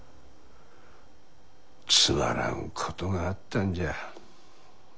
つまらんことがあったんじゃ。